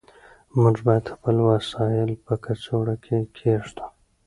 موږ باید خپل وسایل په کڅوړه کې کېږدو.